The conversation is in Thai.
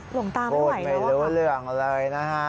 หลงตาไม่ไหวแล้วว่ะโกรธไม่รู้เรื่องเลยนะฮะ